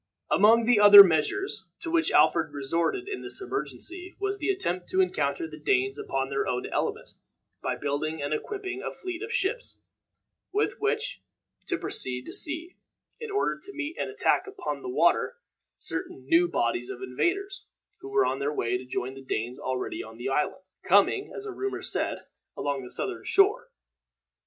[Illustration: THE FIRST BRITISH FLEET.] Among the other measures to which Alfred resorted in this emergency was the attempt to encounter the Danes upon their own element by building and equipping a fleet of ships, with which to proceed to sea, in order to meet and attack upon the water certain new bodies of invaders, who were on the way to join the Danes already on the island coming, as rumor said, along the southern shore.